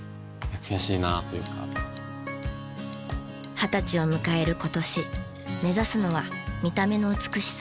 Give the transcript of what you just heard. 二十歳を迎える今年目指すのは見た目の美しさ。